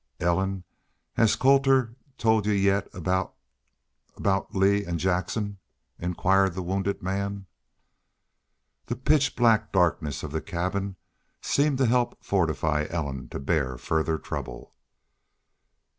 "Ellen, has Colter told y'u yet aboot aboot Lee an' Jackson?" inquired the wounded man. The pitch black darkness of the cabin seemed to help fortify Ellen to bear further trouble.